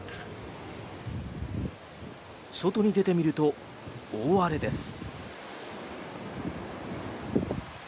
外に出てみると、大荒れです。